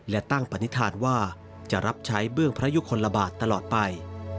และตั้งปณิธานว่าจะรับใช้เบื้องพระยุคลบาทตลอดไป